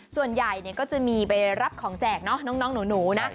ส่วนใหญ่ก็จะมีไปรับของแจกเนาะน้องหนูนะ